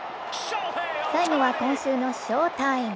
最後は今週の翔タイム。